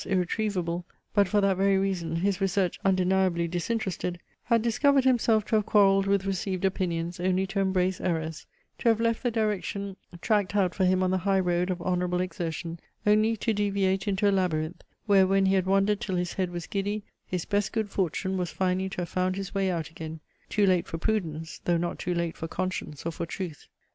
irretrievable, but for that very reason his research undeniably disinterested) had discovered himself to have quarrelled with received opinions only to embrace errors, to have left the direction tracked out for him on the high road of honourable exertion, only to deviate into a labyrinth, where when he had wandered till his head was giddy, his best good fortune was finally to have found his way out again, too late for prudence though not too late for conscience or for truth!